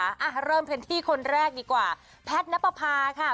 อ่ะเริ่มกันที่คนแรกดีกว่าแพทย์นับประพาค่ะ